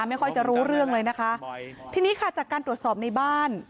ไม่ค่อยจะรู้เรื่องเลยนะคะทีนี้ค่ะจากการตรวจสอบในบ้าน